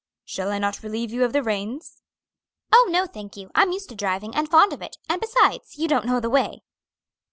"Shall I not relieve you of the reins?" "Oh, no, thank you; I'm used to driving, and fond of it. And, besides, you don't know the way."